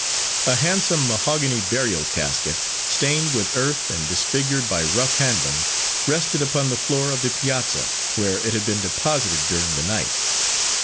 A handsome mahogany burial casket, stained with earth and disfigured by rough handling, rested upon the floor of the piazza, where it had been deposited during the night.